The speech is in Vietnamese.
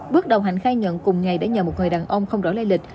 bước đầu hạnh khai nhận cùng ngày đã nhờ một người đàn ông không rõ lây lịch